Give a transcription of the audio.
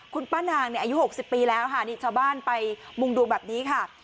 คุณป้านางอายุ๖๐ปีแล้วค่ะนี่ชาวบ้านไปมุงดูแบบนี้ค่ะ